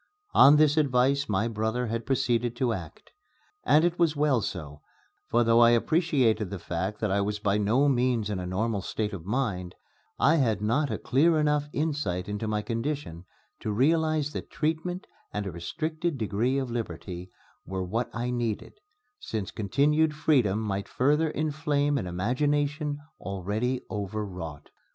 On this advice my brother had proceeded to act. And it was well so; for, though I appreciated the fact that I was by no means in a normal state of mind, I had not a clear enough insight into my condition to realize that treatment and a restricted degree of liberty were what I needed, since continued freedom might further inflame an imagination already overwrought.